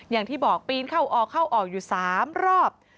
อย่างที่บอกปีนเข้าออกเข้าออกอยู่๓รอบ